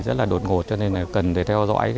rất là đột ngột cho nên là cần để theo dõi